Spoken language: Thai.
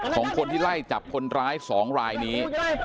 ของคนที่ไล่จับคนร้าย๒รายนี้